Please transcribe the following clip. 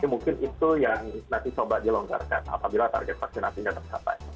mungkin itu yang nanti coba dilonggarkan apabila target vaksinasi tidak tercapai